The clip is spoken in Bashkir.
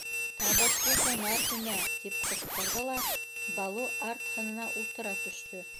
— Табышлы һунар һиңә! — тип ҡысҡырҙы ла Балу арт һанына ултыра төштө.